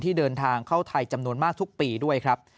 เดินทางเข้าไทยจำนวนมากทุกปีด้วยครับ